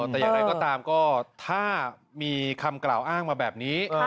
แต่อย่างไรก็ตามก็ถ้ามีคำกล่าวอ้างมาแบบนี้